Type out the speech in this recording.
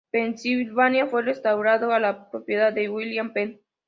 Pensilvania, fue restaurado a la propiedad de William Penn.